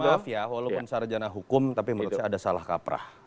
maaf ya walaupun sarjana hukum tapi menurut saya ada salah kaprah